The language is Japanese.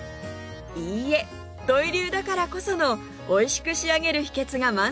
いいえ土井流だからこそのおいしく仕上げる秘訣が満載です！